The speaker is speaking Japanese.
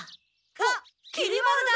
あっきり丸だ。